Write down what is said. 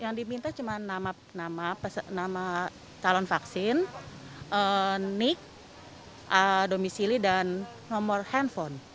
yang diminta cuma nama calon vaksin nick domisili dan nomor handphone